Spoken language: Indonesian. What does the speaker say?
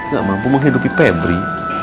gak mampu menghidupi pebri